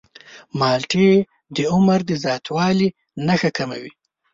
مالټې د عمر د زیاتوالي نښې کموي.